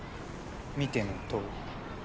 見てのとおり。